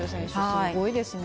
すごいですね。